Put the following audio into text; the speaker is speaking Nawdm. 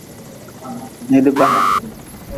Nidba.